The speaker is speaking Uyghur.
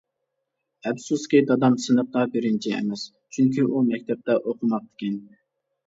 ئەپسۇسكى، دادام سىنىپتا بىرىنچى ئەمەس، چۈنكى ئۇ مەكتەپتە ئوقۇماپتىكەن.